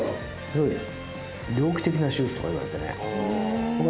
そうです。